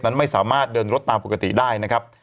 นั้นไม่สามารถเดินรถตามปกติได้